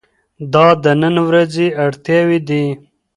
دا د نن ورځې اړتیاوې دي.